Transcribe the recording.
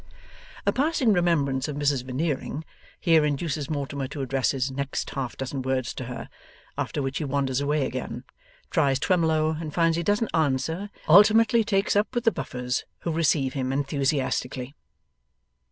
A passing remembrance of Mrs Veneering, here induces Mortimer to address his next half dozen words to her; after which he wanders away again, tries Twemlow and finds he doesn't answer, ultimately takes up with the Buffers who receive him enthusiastically.